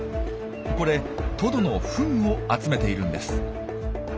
これトドのフンを集めているんです。